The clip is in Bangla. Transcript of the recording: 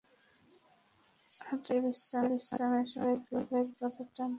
হাঁটা শেষে বিশ্রামের সময় দুই পায়ের পাতা টান টান করে রাখুন।